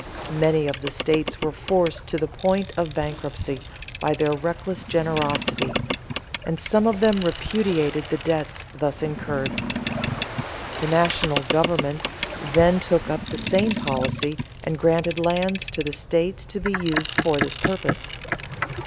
Many of the states were forced to the point of bankruptcy by their reckless generosity, and some of them repudiated the debts thus incurred. The national government then took up the same policy and granted lands to the states to be used for this purpose.